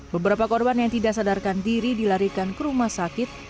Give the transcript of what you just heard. beberapa korban yang tidak sadarkan diri dilarikan ke rumah sakit